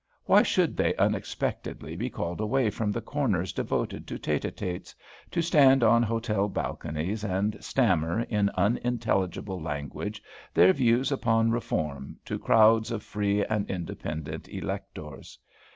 Why should they unexpectedly be called away from the corners devoted to tête à têtes, to stand on hotel balconies, and stammer, in unintelligible language, their views upon Reform to crowds of free and independent electors?